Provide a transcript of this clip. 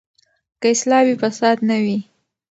که اصلاح وي، فساد نه وي.